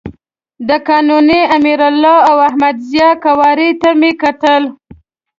د قانوني، امرالله او احمد ضیاء قوارو ته مې کتل.